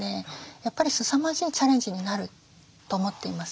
やっぱりすさまじいチャレンジになると思っています。